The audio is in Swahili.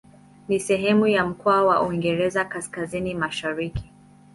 Ni sehemu ya mkoa wa Uingereza Kaskazini-Mashariki.